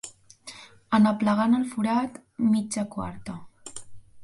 En aplegant al forat, mitja quarta.